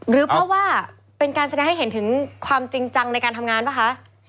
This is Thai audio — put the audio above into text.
หรือเพราะว่าเป็นการแสดงให้เห็นถึงความจริงจังในการทำงานป่ะคะ